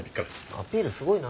アピールすごいな。